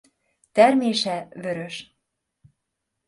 Termése vörös.